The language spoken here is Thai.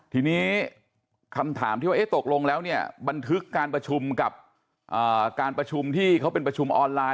ทีนี้คำถามที่ว่าตกลงแล้วเนี่ยบันทึกการประชุมกับการประชุมที่เขาเป็นประชุมออนไลน